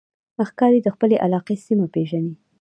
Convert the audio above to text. ښکاري د خپلې علاقې سیمه پېژني.